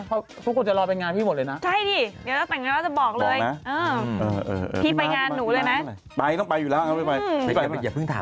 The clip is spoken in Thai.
เพราะทุกคนจะรอเป็นงานพี่หมดเลยนะ